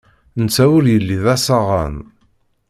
Netta ur yelli d asaɣan.